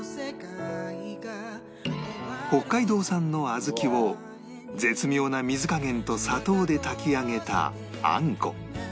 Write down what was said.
北海道産の小豆を絶妙な水加減と砂糖で炊き上げたあんこ